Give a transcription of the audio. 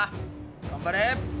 頑張れ！